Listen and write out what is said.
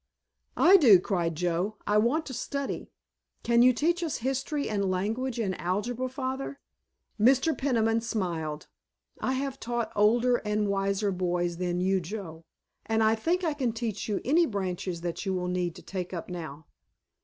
"I do," cried Joe. "I want to study. Can you teach us history and language and algebra, Father?" Mr. Peniman smiled. "I have taught older and wiser boys than you, Joe, and I think I can teach you any branches that you will need to take up now."